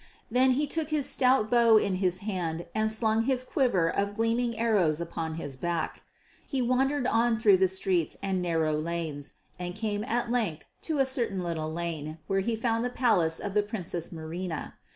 Then he took his stout bow in his hand and slung his quiver of gleaming arrows upon his back. He wandered on through the streets and narrow lanes and came at length to a certain little lane where he found the palace of the Princess Marina.